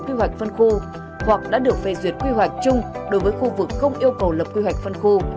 quy hoạch phân khu hoặc đã được phê duyệt quy hoạch chung đối với khu vực không yêu cầu lập quy hoạch phân khu